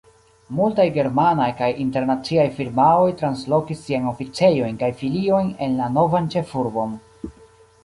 Multaj germanaj kaj internaciaj firmaoj translokis siajn oficejojn kaj filiojn en la novan ĉefurbon.